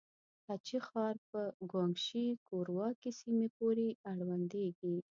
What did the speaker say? هه چه ښار په ګوانګ شي کورواکې سيمې پورې اړونديږي.